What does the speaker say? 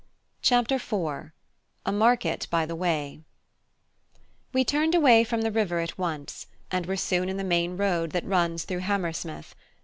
CHAPTER IV: A MARKET BY THE WAY We turned away from the river at once, and were soon in the main road that runs through Hammersmith.